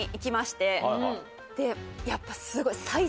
やっぱすごい。